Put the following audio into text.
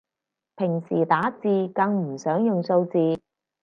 平時打字更唔想用數字